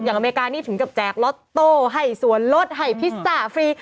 อย่างอเมริกานี่ถึงจะแจกล็อตโต้ไห่สวนรสไห่พิซซ่าฟรี